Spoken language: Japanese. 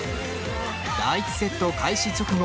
第１セット開始直後